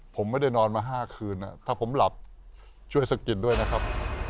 ผมไม่ได้นอนมา๕คืนถ้าผมหลับช่วยสะกิดด้วยนะครับ